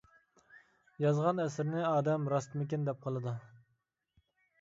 يازغان ئەسىرىنى ئادەم راستمىكىن دەپ قالىدۇ.